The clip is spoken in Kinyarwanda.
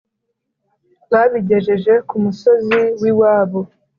Babigejeje k’umusozi w’iwabo